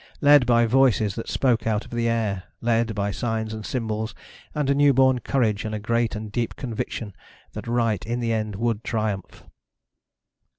Led by voices that spoke out of the air. Led by signs and symbols and a new born courage and a great and a deep conviction that right in the end would triumph.